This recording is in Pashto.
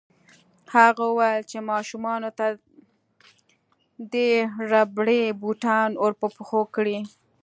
هغه وویل چې ماشومانو ته دې ربړي بوټان ورپه پښو کړي